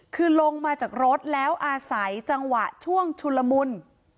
คือลงมาจากรถแล้วอาศัยจังหวะช่วงชุนละมุน